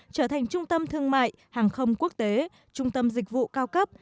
trở thành trung tâm thương mại hàng không quốc tế trung tâm dịch vụ cao cấp